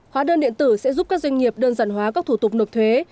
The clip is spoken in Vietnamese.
hóa đơn điện tử sẽ giúp các doanh nghiệp đơn giản hóa các thủ tục nộp thuế